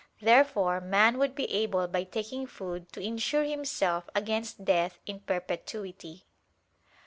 Therefore man would be able by taking food to insure himself against death in perpetuity.